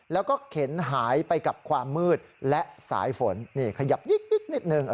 แล้วก็เข็นหายไปกับความมืดและสายฝนนี่ขยับยิกนิดนึง